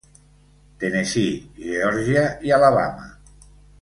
Tennessee, Geòrgia i Alabama.